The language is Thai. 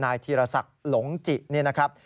ธีรศักดิ์หลงจินี่นะครับ